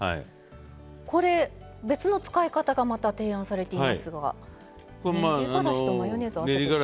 これ、別の使い方がまた提案されていますが。